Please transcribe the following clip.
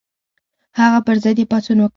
هغه پر ضد یې پاڅون وکړ.